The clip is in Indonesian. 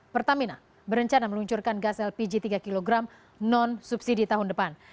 pertamina berencana meluncurkan gas lpg tiga kg non subsidi tahun depan